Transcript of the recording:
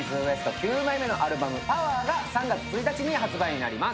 ９枚目のアルバム、「ＰＯＷＥＲ」が３月１日発売になります。